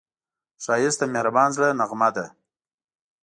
ښایست د مهربان زړه نغمه ده